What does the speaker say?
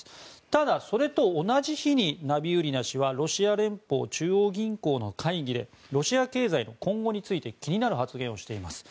ただ、それと同じ日にナビウリナ氏はロシア連邦中央銀行の会議でロシア経済の今後について気になる発言をしています。